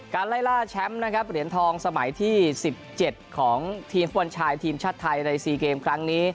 ไล่ล่าแชมป์นะครับเหรียญทองสมัยที่๑๗ของทีมฟุตบอลชายทีมชาติไทยใน๔เกมครั้งนี้